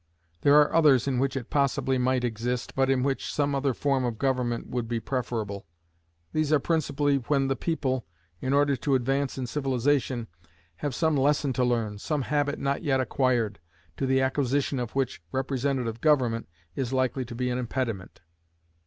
There are others in which it possibly might exist, but in which some other form of government would be preferable. These are principally when the people, in order to advance in civilization, have some lesson to learn, some habit not yet acquired, to the acquisition of which representative government is likely to be an impediment.